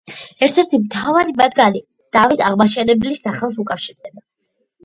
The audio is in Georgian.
ერთ-ერთი მთავარი მათგანი დავით აღმაშენებლის სახელს უკავშირდება.